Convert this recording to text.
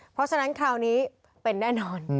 เพราะฉะนั้นคราวนี้เป็นแน่นอน